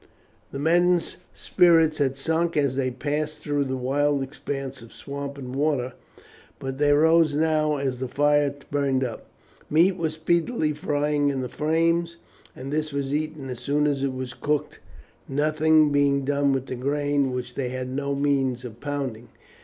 The men's spirits had sunk as they passed through the wild expanse of swamp and water, but they rose now as the fire burned up. Meat was speedily frying in the flames, and this was eaten as soon as it was cooked, nothing being done with the grain, which they had no means of pounding.